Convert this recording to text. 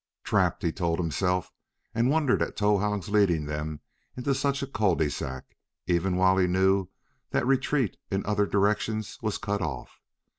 "Trapped!" he told himself, and wondered at Towahg's leading them into such a cul de sac, even while he knew that retreat in other directions was cut off.